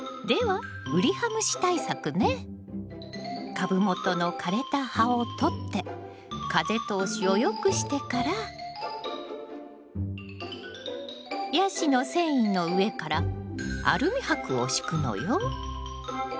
株元の枯れた葉を取って風通しを良くしてからヤシの繊維の上からアルミ箔を敷くのよ。